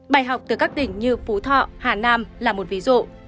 bài học từ các tỉnh như phú thọ hà nam là một ví dụ